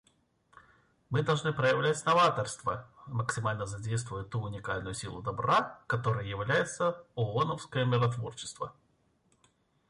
Мы должны проявлять новаторство, максимально задействуя ту уникальную силу добра, которой является ооновское миротворчество.